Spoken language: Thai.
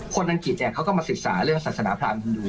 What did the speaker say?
คนอังกฤษเขาก็มาศึกษาเรื่องศาสนาพระอำฮินดู